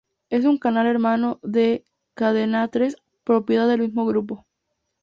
Era un canal hermano de cadenatres, propiedad del mismo grupo.